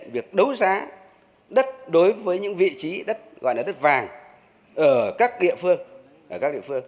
việc đấu giá đất đối với những vị trí đất gọi là đất vàng ở các địa phương